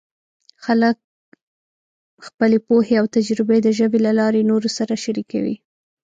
خلک خپلې پوهې او تجربې د ژبې له لارې نورو سره شریکوي.